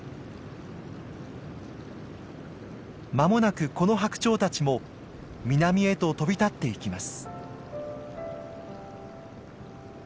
間もなくこのハクチョウたちも南へと飛び立っていきます。